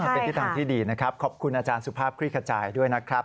เป็นทิศทางที่ดีนะครับขอบคุณอาจารย์สุภาพคลี่ขจายด้วยนะครับ